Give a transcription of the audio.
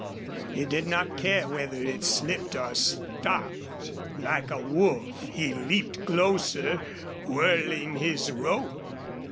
He did not care whether it slipped or stopped. Like a wolf he leaped closer, whirling his rope.